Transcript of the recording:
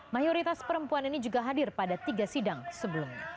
mayoritas perempuan ini juga hadir pada tiga sidang sebelumnya